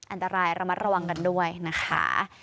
อันตรายระมัดระวังกันด้วยนะคะ